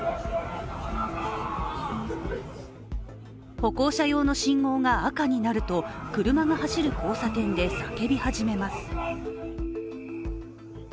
歩行者用の信号が赤になると、車が走る交差点で叫び始めます。